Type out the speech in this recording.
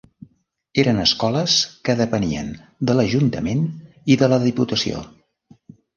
Eren escoles que depenien de l'Ajuntament i de la Diputació.